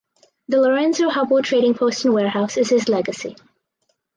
The Lorenzo Hubbell Trading Post and Warehouse is his legacy.